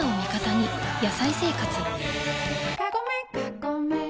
「野菜生活」